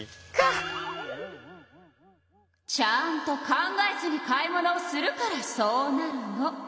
ちゃんと考えずに買い物をするからそうなるの！